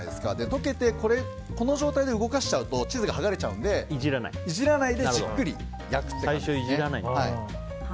溶けて、この状態で動かしちゃうと剥がれちゃうのでいじらないでじっくり焼くって感じですね。